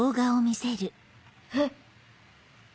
えっ。